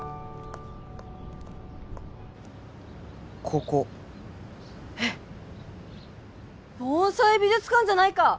ここえっ盆栽美術館じゃないか！